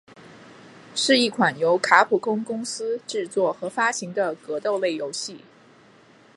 是一款由卡普空公司制作和发行的格斗类游戏。